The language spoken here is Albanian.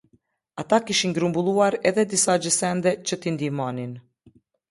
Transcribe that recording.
Ata kishin grumbulluar edhe disa gjësende që t'i ndihmonin.